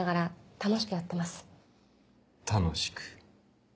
楽しく。